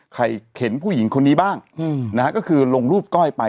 เห็นผู้หญิงคนนี้บ้างนะฮะก็คือลงรูปก้อยไป